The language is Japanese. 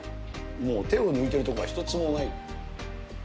もう手を抜いてるところが一つもない。